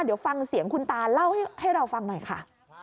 เดี๋ยวฟังเสียงคุณตาเล่าให้เราฟังหน่อยค่ะ